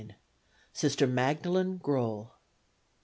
Sister Magdalen Groell.